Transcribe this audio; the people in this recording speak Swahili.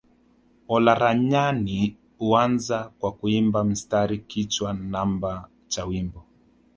Olaranyani huanza kwa kuimba mstari kichwa namba cha wimbo